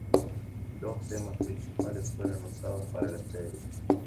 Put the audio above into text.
Dos temas principales fueron usados para la serie.